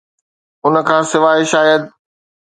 ان کان سواء، شايد